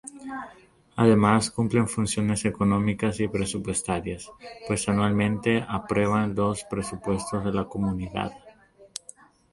Además cumplen funciones económicas y presupuestarias, pues anualmente aprueban los presupuestos de la Comunidad.